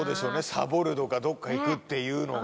サボるとかどっか行くっていうのが。